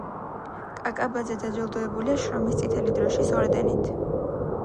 კაკაბაძე დაჯილდოებულია შრომის წითელი დროშის ორდენით.